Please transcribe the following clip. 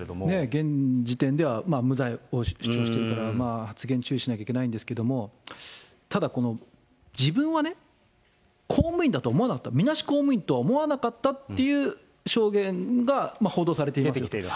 現時点では無罪を主張しているので発言を注意しなきゃいけないんですけれども、ただ、この自分はね、公務員だと思わなかった、みなし公務員だとは思わなかったっていう証言が報道されて出てきている。